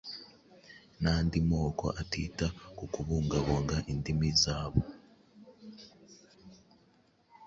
nandi moko atita ku kubungabunga indimi zabo